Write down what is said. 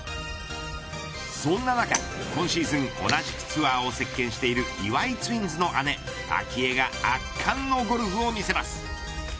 そんな中、今シーズン同じくツアーを席巻している岩井ツインズの姉、明愛が圧巻のゴルフを見せます。